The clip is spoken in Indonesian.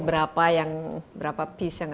berapa yang berapa piece yang